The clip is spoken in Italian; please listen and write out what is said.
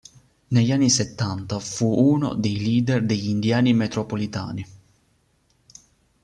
Negli anni settanta fu uno dei leader degli Indiani metropolitani.